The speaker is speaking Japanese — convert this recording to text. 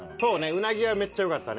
うなぎはめっちゃ良かったね。